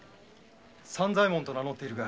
三左衛門と名乗っているが。